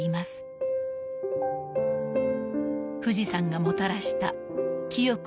［富士山がもたらした清く澄み渡る水］